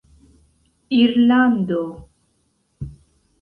irlando